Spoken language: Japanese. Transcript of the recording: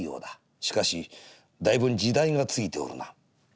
しかしだいぶん時代がついておるな。